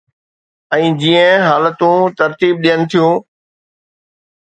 ۽ جيئن حالتون ترتيب ڏين ٿيون.